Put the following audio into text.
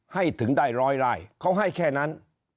ให้ถึงได้ร้อยไร่เขาให้แค่นั้น